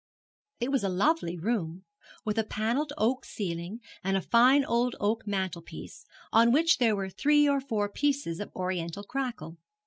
It was a lovely room, with a panelled oak ceiling, and a fine old oak mantel piece, on which were three or four pieces of Oriental crackle.